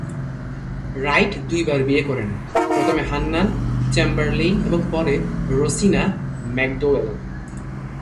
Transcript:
Right দুইবার বিয়ে করেন: প্রথমে হান্নাহ চেম্বারলেইন এবং পরে রোসিনা ম্যাকডোওয়েল।